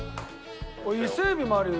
伊勢海老もあるよ